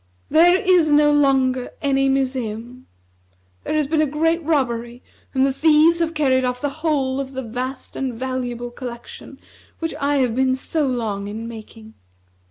There is no longer any museum. There has been a great robbery, and the thieves have carried off the whole of the vast and valuable collection which I have been so long in making."